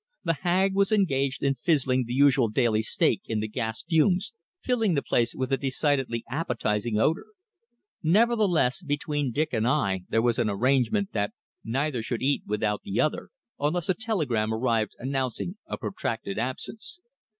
The Hag was engaged in fizzling the usual daily steak in the gas fumes, filling the place with a decidedly appetising odour; nevertheless, between Dick and I there was an arrangement that neither should eat without the other, unless a telegram arrived announcing a protracted absence.